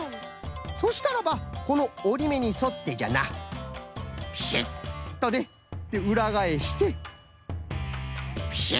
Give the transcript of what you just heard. そしたらばこのおりめにそってじゃなピシッとね。でうらがえしてピシッ。